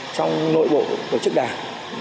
trong nội bộ tổ chức đảng